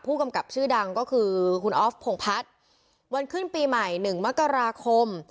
ผู้กำกับชื่อดังก็คือคุณออฟพงพัฒน์วันขึ้นปีใหม่๑มกราคม